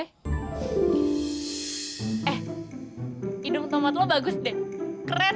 eh hidung tomat lo bagus deh keren